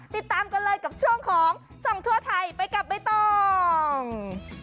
ติดตามกันเลยกับช่วงของส่องทั่วไทยไปกับใบตอง